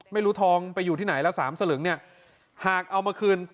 ไม่รู้ทองไปอยู่ที่ไหนแล้วสามสลึงเนี่ยหากเอามาคืน